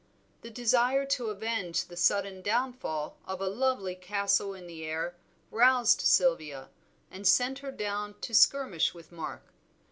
The desire to avenge the sudden downfall of a lovely castle in the air roused Sylvia, and sent her down to skirmish with Mark.